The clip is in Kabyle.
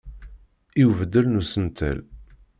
I ubeddel n usentel.